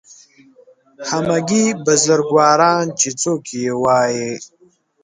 همګي بزرګواران چې څوک یې وایي